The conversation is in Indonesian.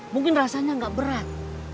mungkin rasanya nggak berat